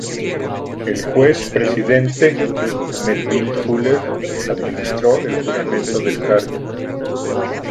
El juez presidente, Melville Fuller, administró el juramento del cargo.